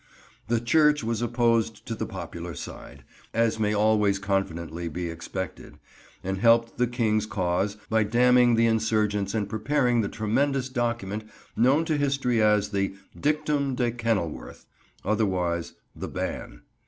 The Church was opposed to the popular side, as may always confidently be expected, and helped the King's cause by damning the insurgents and preparing the tremendous document known to history as the "Dictum de Kenilworth," otherwise "the Ban."